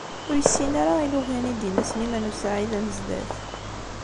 Ur issin ara ilugan i d-yenna Sliman u Saɛid Amezdat.